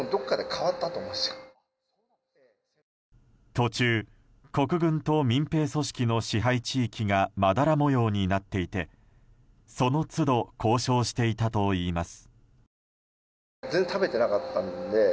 途中、国軍と民兵組織の支配地域がまだら模様になっていてその都度交渉していたといいます。